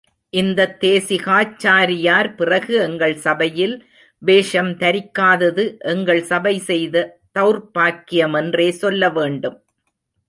இந்தத் தேசிகாச்சாரியார் பிறகு எங்கள் சபையில் வேஷம் தரிக்காதது எங்கள் சபை செய்த தௌர்ப் பாக்கியமென்றே சொல்ல வேண்டும்.